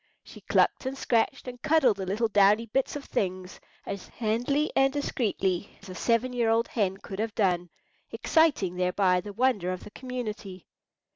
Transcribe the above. She clucked and scratched, and cuddled the little downy bits of things as handily and discreetly as a seven year old hen could have done, exciting thereby the wonder of the community.